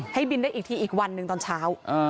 บินได้อีกทีอีกวันหนึ่งตอนเช้า